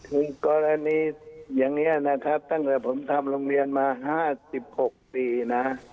กรณีอย่างนี้นะครับตั้งแต่ผมทำโรงเรียนมา๕๖ปีนะ